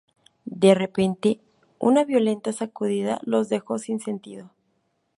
De repente, una violenta sacudida los deja sin sentido.